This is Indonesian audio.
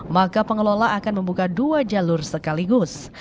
maka pengelola akan membuka dua jalur sekaligus